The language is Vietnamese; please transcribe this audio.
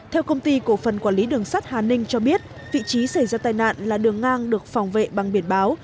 theo công ty cổ phần quản lý đường sắt hà ninh cho biết vị trí xảy ra tai nạn là đường ngang được phòng vệ bằng biển báo